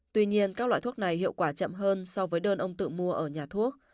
tuy nhiên các loại thuốc này hiệu quả chậm hơn so với đơn ông tự mua ở nhà thuốc